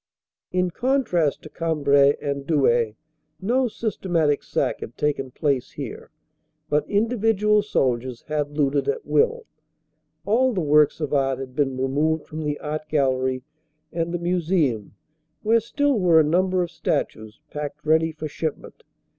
In contrast to Cambrai and Douai, no systematic sack had taken place here, but individual soldiers had looted at will. All the works of art had been removed from the art gallery and the museum, where still were a number of statues packed ready for shipment.